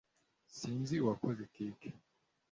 sinzi uwakoze cake